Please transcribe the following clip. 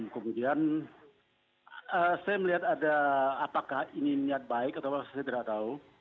kemudian saya melihat ada apakah ini niat baik atau saya tidak tahu